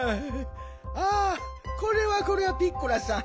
ああこれはこれはピッコラさん。